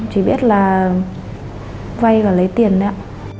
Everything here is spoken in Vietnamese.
chỉ biết là vay và lấy tiền đấy ạ